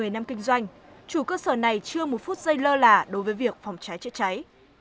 một mươi năm kinh doanh chủ cơ sở này chưa một phút giây lơ là đối với việc phòng cháy chữa cháy